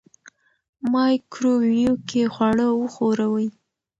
مایکروویو کې خواړه وښوروئ.